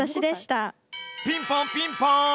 ピンポンピンポン！